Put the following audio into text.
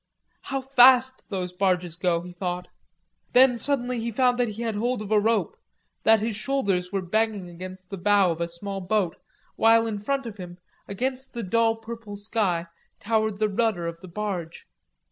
How fast those barges go, he thought. Then suddenly he found that he had hold of a rope, that his shoulders were banging against the bow of a small boat, while in front of him, against the dull purple sky, towered the rudder of the barge.